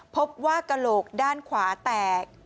พบว่ากระโหลกด้านขวาแตก